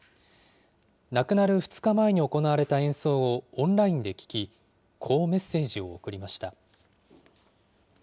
亡くなる２日前に行われた演奏をオンラインで聴き、こうメッセージを送りました。